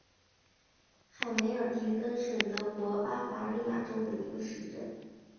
海梅尔廷根是德国巴伐利亚州的一个市镇。